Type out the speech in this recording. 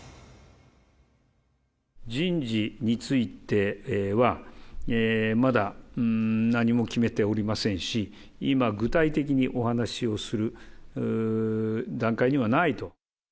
人事については、まだ何も決めておりませんし、今、具体的にお話をする段階にはないと。